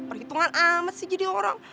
perhitungan amat sih jadi orang